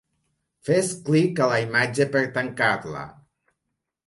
Fes clic a la imatge per tancar-la.